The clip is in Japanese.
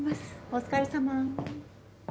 お疲れさま。